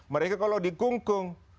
mereka kalau dikungkung